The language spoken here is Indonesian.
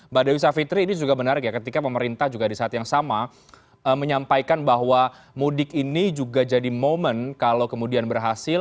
mbak dewi savitri ini juga menarik ya ketika pemerintah juga di saat yang sama menyampaikan bahwa mudik ini juga jadi momen kalau kemudian berhasil